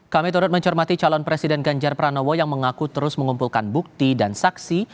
kami turut mencermati calon presiden ganjar pranowo yang mengaku terus mengumpulkan bukti dan saksi